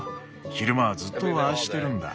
昼間はずっとああしてるんだ。